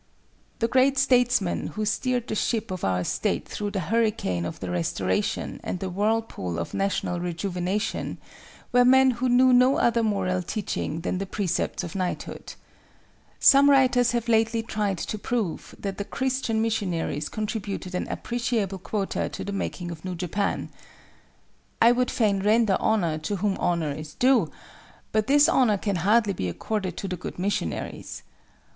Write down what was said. The great statesmen who steered the ship of our state through the hurricane of the Restoration and the whirlpool of national rejuvenation, were men who knew no other moral teaching than the Precepts of Knighthood. Some writers have lately tried to prove that the Christian missionaries contributed an appreciable quota to the making of New Japan. I would fain render honor to whom honor is due: but this honor can hardly be accorded to the good missionaries.